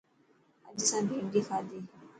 اڄ اسان ڀينڊي کادي.